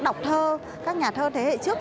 đọc thơ các nhà thơ thế hệ trước